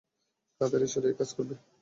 কাদের ঈশ্বর এই কাজ করবে?